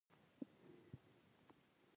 هره ازموینه یو پیغام لري.